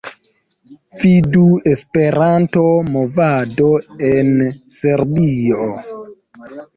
Vidu: "Esperanto-movado en Serbio"